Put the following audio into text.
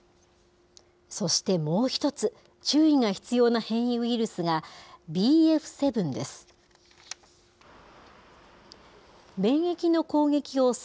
そしてもう一つ、注意が必要な変異ウイルスが、ＢＦ．７です。